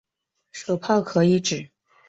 手炮可以指